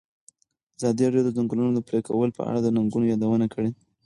ازادي راډیو د د ځنګلونو پرېکول په اړه د ننګونو یادونه کړې.